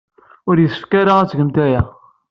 Ur yessefk ara ad tgem aya.